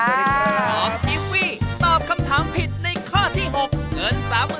ของจิ๊ฟี่ตอบคำถามผิดในข้อที่๖